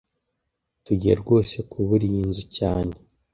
Tugiye rwose kubura iyi nzu cyane